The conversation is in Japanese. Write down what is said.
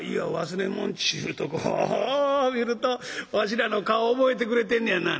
「忘れ物っちゅうところを見るとわしらの顔覚えてくれてんのやな」。